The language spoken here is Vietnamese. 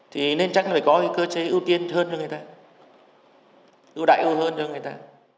thì nên chắc phải có cái cơ chế ưu tiên hơn cho người ta ưu đại ưu hơn cho người ta